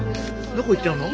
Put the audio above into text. どこ行っちゃうの？